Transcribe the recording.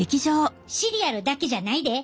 シリアルだけじゃないで。